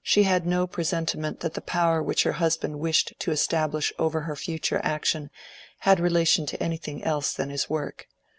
She had no presentiment that the power which her husband wished to establish over her future action had relation to anything else than his work.